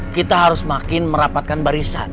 kita harus makin merapatkan barisan